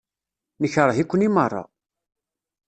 Nekṛeh-iken i meṛṛa.